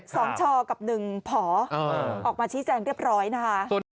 สองชอกับหนึ่งผอออกมาชี้แจงเรียบร้อยนะฮะ